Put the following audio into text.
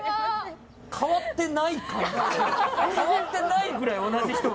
変わっていないくらい同じ人が。